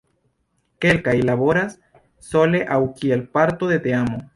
Kelkaj laboras sole aŭ kiel parto de teamo.